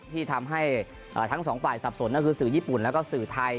ที่ทำให้ทั้งสองฝ่ายสับสนก็คือสื่อญี่ปุ่นแล้วก็สื่อไทย